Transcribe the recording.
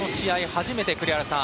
初めて栗原さん